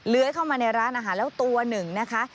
เข้ามาในร้านอาหารแล้วตัวหนึ่งนะคะ